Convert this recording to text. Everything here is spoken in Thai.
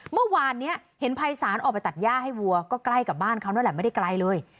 เมื่อวานนี้เห็นภัยศาลออกไปตัดย่าให้วัวก็ใกล้กับบ้านเขานั่นแหละไม่ได้ไกลเลย